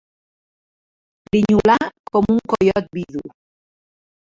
Grinyolar com un coiot vidu.